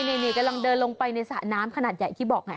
นี่กำลังเดินลงไปในสระน้ำขนาดใหญ่ที่บอกไง